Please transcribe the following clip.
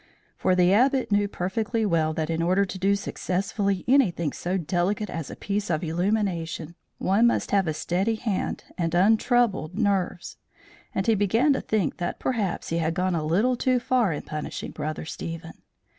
For the Abbot knew perfectly well that in order to do successfully anything so delicate as a piece of illumination, one must have a steady hand and untroubled nerves; and he began to think that perhaps he had gone a little too far in punishing Brother Stephen.